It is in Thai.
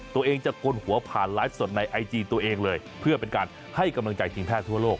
ตัวเองจะกลหัวผ่านไลฟ์สดในไอจีตัวเองเลยเพื่อเป็นการให้กำลังใจทีมแพทย์ทั่วโลก